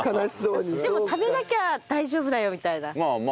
「でも食べなきゃ大丈夫だよ」みたいな。